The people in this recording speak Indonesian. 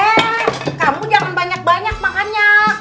eh kamu jangan banyak banyak makannya